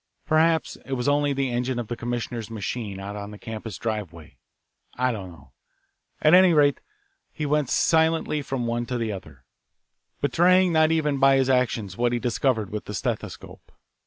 Perhaps it was only the engine of the commissioner's machine out on the campus driveway. I don't know. At any rate, he went silently from one to the other, betraying not even by his actions what he discovered with the stethoscope.